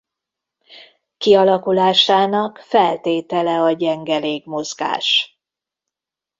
Kialakulásának feltétele a gyenge légmozgás.